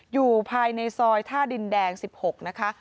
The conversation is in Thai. อยู่ภายในซอยท่าดินแดง๑๖นะคะ